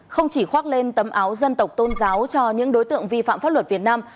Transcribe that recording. không chỉ khoác lên tấm áo dân tộc tôn giáo cho những đối tượng vi phạm pháp luật việt nam